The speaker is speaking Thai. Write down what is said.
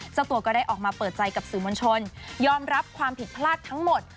เจ้าตัวก็ได้ออกมาเปิดใจกับสื่อมวลชนยอมรับความผิดพลาดทั้งหมด